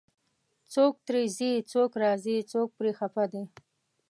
څوک ترې ځي، څوک راځي، څوک پرې خفه دی